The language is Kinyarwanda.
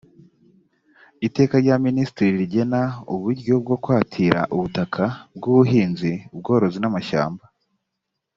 iteka rya minisitiri rigena uburyo bwo kwatira ubutaka bw ubuhinzi ubworozi n amashyamba